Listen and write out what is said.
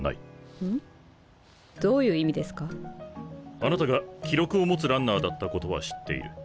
あなたが記録を持つランナーだったことは知っている。